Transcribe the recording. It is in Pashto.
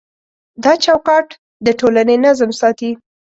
دا چوکاټ د ټولنې نظم ساتي.